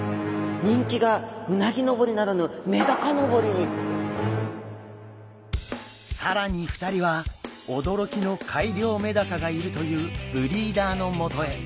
人気が更に２人は驚きの改良メダカがいるというブリーダーのもとへ。